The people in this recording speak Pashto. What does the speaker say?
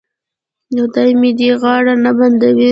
خدای مې دې غاړه نه بندوي.